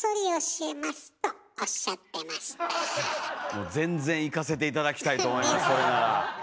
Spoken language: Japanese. もう全然行かせて頂きたいと思いますそれなら。